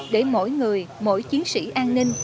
để mỗi người mỗi chiến sĩ an ninh